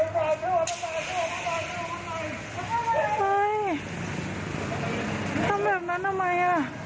ทำแบบนั้นทำไมอ่ะ